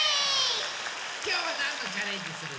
きょうはなんのチャレンジするの？